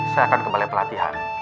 saya akan ke belai pelatihan